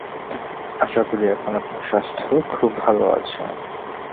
আশা করি, এখন আপনার স্বাস্থ্য খুব ভাল আছে।